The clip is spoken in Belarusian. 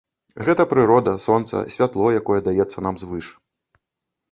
Гэта прырода, сонца, святло, якое даецца нам звыш.